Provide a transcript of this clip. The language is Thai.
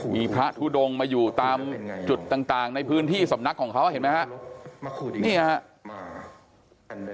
มีพระทุดงมาอยู่ตามจุดต่างในพื้นที่สำนักของเขาเห็นไหมครับ